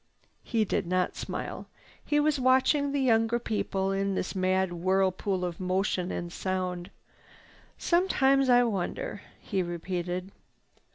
He did not smile. He was watching the younger people in this mad whirlpool of motion and sound. "Sometimes I wonder," he repeated.